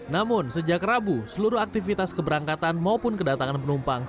namun sejak rabu seluruh aktivitas keberangkatan maupun kedatangan penumpang